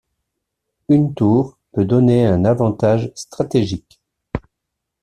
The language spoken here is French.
Une tour peut donner un avantage stratégique.